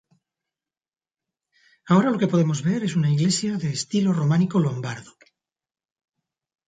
Ahora, lo que podemos ver es una iglesia de estilo románico lombardo.